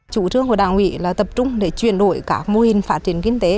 chủ trương của đảng ủy là tập trung để chuyển đổi các mô hình phát triển kinh tế